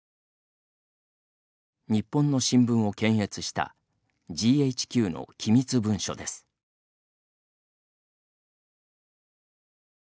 日本の新聞を検閲したＧＨＱの機密文書です。